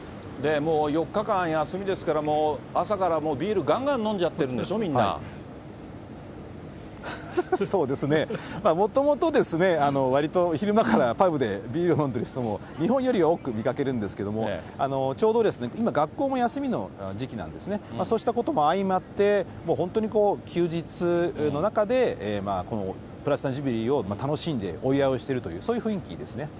もう４日間休みですから、朝からビールがんがん飲んじゃってそうですね、もともとわりと昼間からパブでビール飲んでる人も日本よりは多く見かけるんですけども、ちょうどですね、今学校も休みの時期なんですね、そうしたことも相まって、もう本当に休日の中で、このプラチナ・ジュビリーを楽しんで、お祝いをしているという、そういう雰囲気ですね。